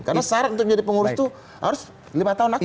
karena syarat untuk menjadi pengurus itu harus lima tahun lagi